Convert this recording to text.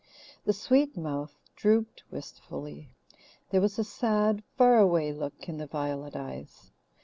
The sweet mouth drooped wistfully. There was a sad, far away look in the violet eyes.